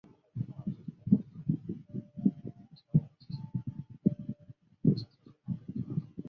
妳都这么大了